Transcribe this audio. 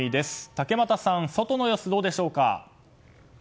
竹俣さん外の様子どうでしょうか？